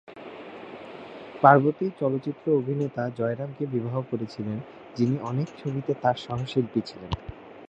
পার্বতী চলচ্চিত্র অভিনেতা জয়রাম কে বিবাহ করেছিলেন, যিনি অনেক ছবিতে তাঁর সহশিল্পী ছিলেন।